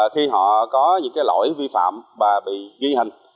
khi họ có những lỗi vi phạm và bị ghi hình